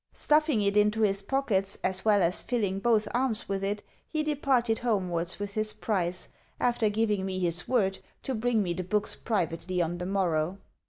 Stuffing it into his pockets, as well as filling both arms with it, he departed homewards with his prize, after giving me his word to bring me the books privately on the morrow.